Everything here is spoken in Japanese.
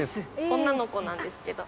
女の子なんですけど。